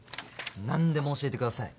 何でも教えてください